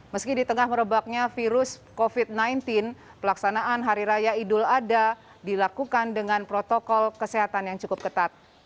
meski di tengah merebaknya virus covid sembilan belas pelaksanaan hari raya idul adha dilakukan dengan protokol kesehatan yang cukup ketat